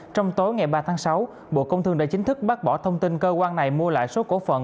trong tối ngày ba tháng sáu bộ công thương đã chính thức bác bỏ thông tin cơ quan này mua lại số cổ phận